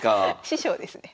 師匠ですね。